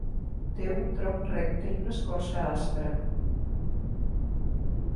Té un tronc recte i una escorça aspra.